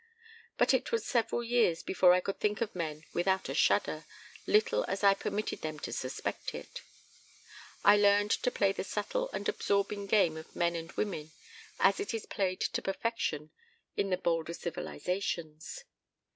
But it was several years before I could think of men without a shudder, little as I permitted them to suspect it. I learned to play the subtle and absorbing game of men and women as it is played to perfection in the bolder civilizations.